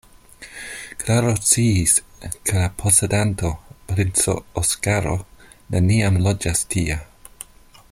Klaro sciis, ke la posedanto, princo Oskaro, neniam loĝas tie.